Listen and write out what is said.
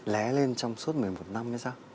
lé lên trong suốt một mươi một năm hay sao